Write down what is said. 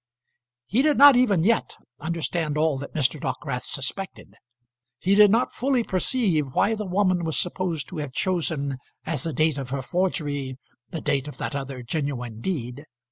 He did not even yet understand all that Mr. Dockwrath suspected. He did not fully perceive why the woman was supposed to have chosen as the date of her forgery, the date of that other genuine deed.